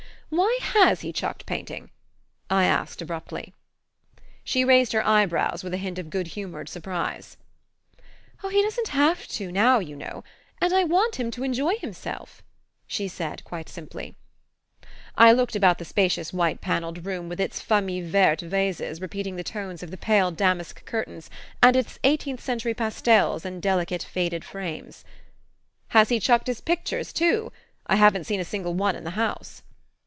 "Why HAS he chucked painting?" I asked abruptly. She raised her eyebrows with a hint of good humoured surprise. "Oh, he doesn't HAVE to now, you know; and I want him to enjoy himself," she said quite simply. I looked about the spacious white panelled room, with its FAMILLE VERTE vases repeating the tones of the pale damask curtains, and its eighteenth century pastels in delicate faded frames. "Has he chucked his pictures too? I haven't seen a single one in the house."